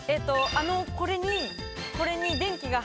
あのこれに。